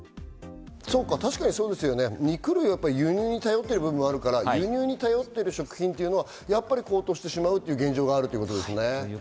確かに肉類は輸入に頼ってる部分があるから輸入に頼っている食品ってのは高騰してしまうっていう現状があるっていうことですね。